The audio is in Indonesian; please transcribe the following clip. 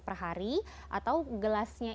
perhari atau gelasnya